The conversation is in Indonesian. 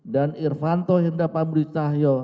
dan irvanto hendra pambudicahyo